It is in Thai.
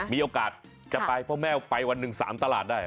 มีโอกาสจะไปเพราะแม่ไปวันหนึ่ง๓ตลาดได้